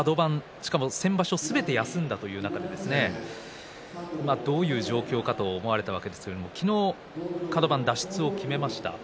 しかも先場所すべて休んだという中でですねどういう状況かと思われたわけですが昨日カド番脱出を決めました。